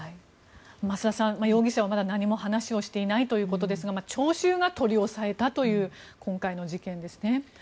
増田さん、容疑者はまだ何も話をしていないということですが聴衆が取り押さえたという今回の事件ですね。